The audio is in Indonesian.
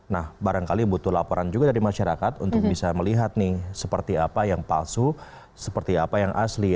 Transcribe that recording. nah barangkali butuh laporan juga dari masyarakat untuk bisa melihat nih seperti apa yang palsu seperti apa yang asli